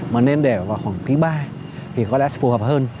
mà nên để vào khoảng quý ba thì có lẽ phù hợp hơn